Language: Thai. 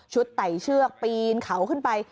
ไต่เชือกปีนเขาขึ้นไป